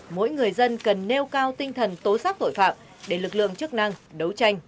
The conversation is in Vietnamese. mỗi người dân cần nêu cao tinh thần tố xác tội phạm để lực lượng chức năng đấu tranh